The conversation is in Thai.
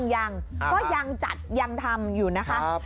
ยังก็ยังจัดยังทำอยู่นะคะ